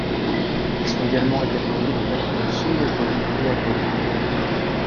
Y sont également répertoriés les papillons semi-apollon et apollon.